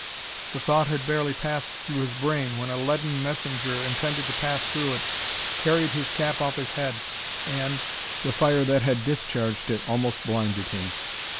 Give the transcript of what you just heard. The thought had barely passed through his brain, when a leaden messenger, intended to pass through it, carried his cap off his head, and the fire that had discharged it almost blinded him.